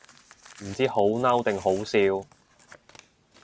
唔知好嬲定好笑